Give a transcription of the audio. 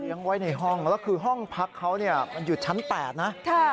เลี้ยงไว้ในห้องแล้วคือห้องพักเขามันอยู่ชั้น๘นะ